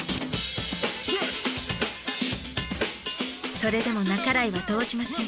それでも半井は動じません。